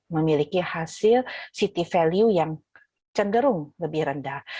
memiliki hasil city value yang cenderung lebih rendah